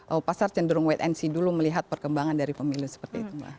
oh pasar cenderung wait and see dulu melihat perkembangan dari pemilu seperti itu mbak